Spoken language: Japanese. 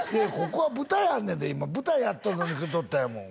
ここは舞台あんねんで今舞台やっとるのに来とったんやもん